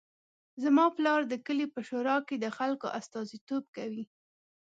زما پلار د کلي په شورا کې د خلکو استازیتوب کوي